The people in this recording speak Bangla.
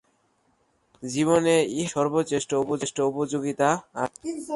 জীবনে ইহারই সর্বশ্রেষ্ঠ উপযোগিতা আছে।